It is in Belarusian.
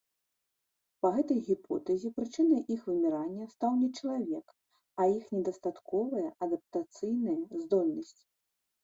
Па гэтай гіпотэзе прычынай іх вымірання стаў не чалавек, а іх недастатковая адаптацыйная здольнасць.